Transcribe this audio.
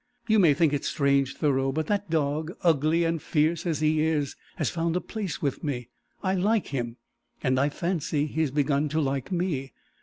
You may think it strange, Thoreau, but that dog ugly and fierce as he is has found a place with me. I like him. And I fancy he has begun to like me."